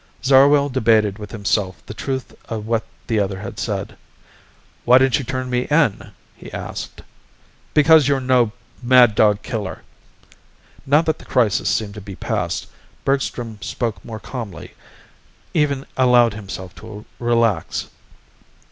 Zarwell debated with himself the truth of what the other had said. "Why didn't you turn me in?" he asked. "Because you're no mad dog killer!" Now that the crisis seemed to be past, Bergstrom spoke more calmly, even allowed himself to relax.